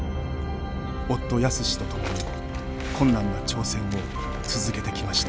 夫泰史と共に困難な挑戦を続けてきました。